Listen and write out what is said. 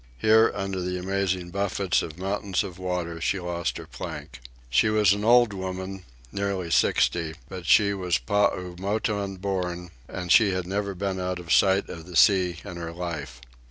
Here, under the amazing buffets of mountains of water, she lost her plank. She was an old woman nearly sixty; but she was Paumotan born, and she had never been out of sight of the sea in her life.